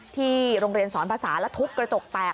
ที่โรงเรียนสอนภาษาแล้วทุบกระจกแตก